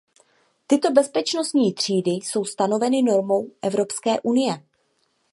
Tyto bezpečnostní třídy jsou stanoveny normou Evropské unie.